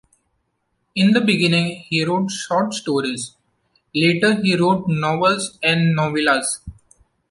In the beginning, he wrote short stories, later he wrote novels and novellas.